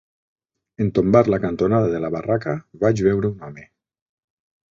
En tombar la cantonada de la barraca vaig veure un home